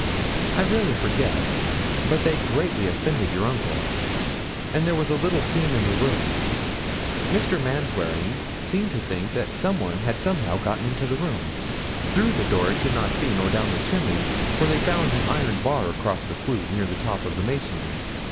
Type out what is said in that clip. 'I really forget; but they greatly offended your uncle, and there was a little scene in the room. Mr. Manwaring seemed to think that some one had somehow got into the room. Through the door it could not be, nor down the chimney, for they found an iron bar across the flue, near the top in the masonry.